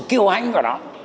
kiêu hãnh của nó